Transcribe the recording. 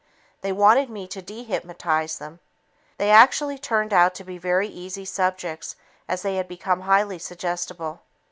They wanted me to dehypnotize them. They actually turned out to be very easy subjects as they had become highly suggestible.